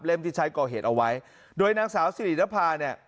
ที่ใช้ก่อเหตุเอาไว้โดยนางสาวสิรินภาเนี่ย